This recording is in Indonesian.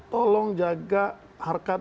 tolong jaga harkat